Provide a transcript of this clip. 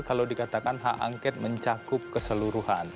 bahkan hak angket mencakup keseluruhan